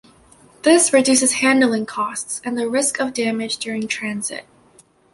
This reduces handling costs and the risk of damage during transit.